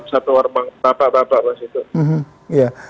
satu warung bapak bapak